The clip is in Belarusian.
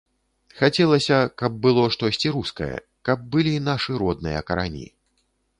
Хацелася, каб было штосьці рускае, каб былі нашы родныя карані.